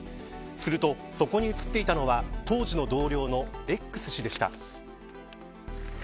すると、そこに映っていたのは当時の同僚のＸ氏でした。